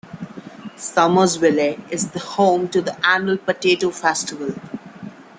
Summersville is home to the annual Potato Festival.